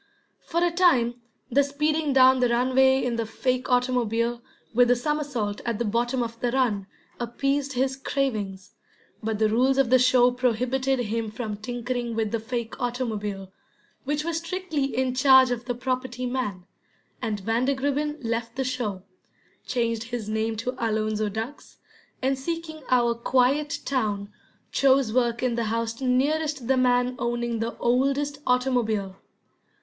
For a time the speeding down the runway in the fake automobile, with the somersault at the bottom of the run, appeased his cravings, but the rules of the show prohibited him from tinkering with the fake automobile, which was strictly in charge of the property man, and Vandergribbin left the show, changed his name to Alonzo Duggs, and seeking our quiet town, chose work in the house nearest the man owning the oldest automobile.